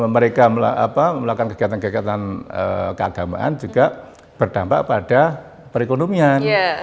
mereka melakukan kegiatan kegiatan keagamaan juga berdampak pada perekonomian